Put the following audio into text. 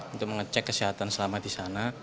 untuk mengecek kesehatan selama di sana